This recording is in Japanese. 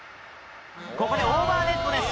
ここでオーバーネットです。